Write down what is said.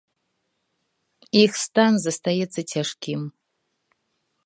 Іх стан застаецца цяжкім.